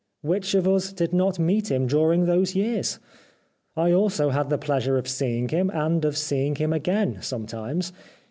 Which of us did not meet him during those years ? I also had the pleasure of seeing him, and of seeing him again sometimes.